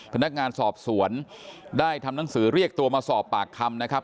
พนักงานสอบสวนได้ทำหนังสือเรียกตัวมาสอบปากคำนะครับ